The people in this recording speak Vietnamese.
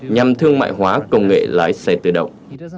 nhằm thương mại hóa công nghệ lái xe tự động